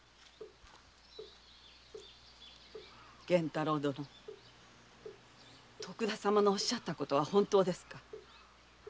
玄太郎殿徳田様のおっしゃったことは本当ですか？